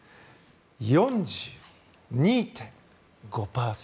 ４２．５％。